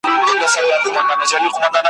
په پردیو که پاللی بیرغ غواړم ,